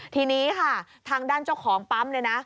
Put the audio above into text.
ทีนี้ค่ะทางด้านเจ้าของปั๊มเนี่ยนะ